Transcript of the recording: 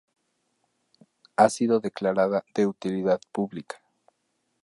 Ha sido declarada de utilidad pública.